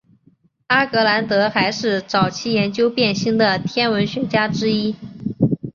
阿格兰德还是早期研究变星的天文学家之一。